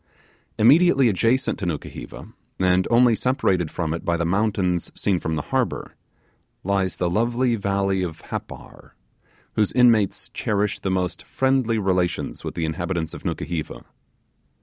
Immediately adjacent to Nukuheva, and only separated from it by the mountains seen from the harbour, lies the lovely valley of Happar, whose inmates cherish the most friendly relations with the inhabitants of Nukuheva.